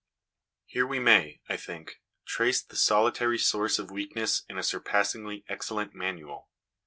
Here we may, I think, trace the solitary source of weakness in a surpassingly excellent manual.